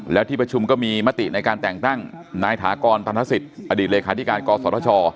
แล้วที่ประชุมก็มีมติในการแต่งตั้งนายถากรตันทศิษย์อดีตเลขาธิการกศธช